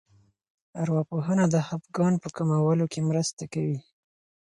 ارواپوهنه د خپګان په کمولو کې مرسته کوي.